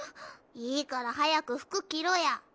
いいから早く服着ろや。